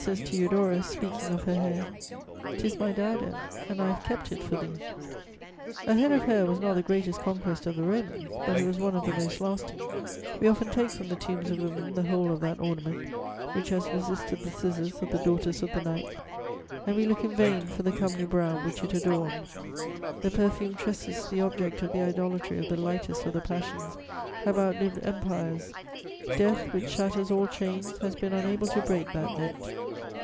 Velleda says to Eudorus, speaking of her hair: "'Tis my diadem, and I have kept it for thee." A head of hair was not the greatest conquest of the Romans, but it was one of the most lasting: we often take from the tombs of women the whole of that ornament, which has resisted the scissors of the daughters of the night, and we look in vain for the comely brow which it adorned. The perfumed tresses, the object of the idolatry of the lightest of the passions, have outlived empires; death, which shatters all chains, has been unable to break that net.